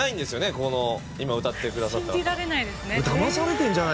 この今歌ってくださった方。